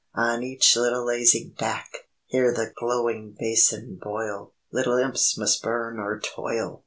On each little lazy back! Hear the glowing basin boil! Little Imps must burn or toil!